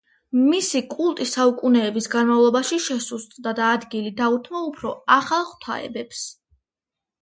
მისი კულტი საუკუნეების განმავლობაში შესუსტდა და ადგილი დაუთმო უფრო „ახალ“ ღვთაებებს.